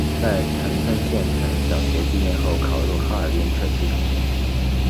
在长春县城小学毕业后考入哈尔滨特区中学。